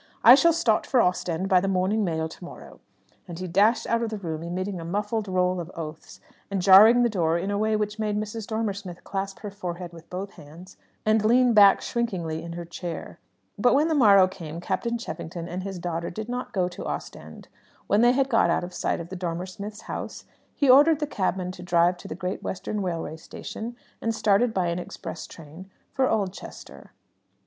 I shall start for Ostend by the morning mail to morrow." And he dashed out of the room emitting a muffled roll of oaths, and jarring the door in a way which made Mrs. Dormer Smith clasp her forehead with both hands, and lean back shrinkingly in her chair. But when the morrow came, Captain Cheffington and his daughter did not go to Ostend. When they had got out of sight of the Dormer Smiths' house, he ordered the cabman to drive to the Great Western Railway Station, and started by an express train for Oldchester.